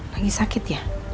lagi sakit ya